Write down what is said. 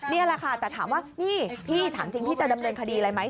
นี่แหละค่ะแต่ถามว่านี่พี่ถามจริงพี่จะดำเนินคดีอะไรไหม